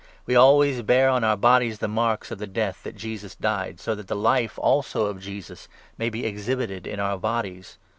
We always bear 10 on our bodies the marks of the death that Jesus died, so that the Life also of Jesus may be exhibited in our bodies.